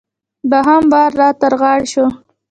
دوهم وار را تر غاړې شو.